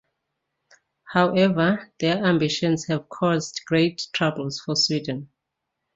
However, their ambitions had caused great troubles for Sweden.